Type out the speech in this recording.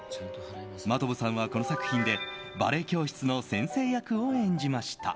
真飛さんはこの作品でバレエ教室の先生役を演じました。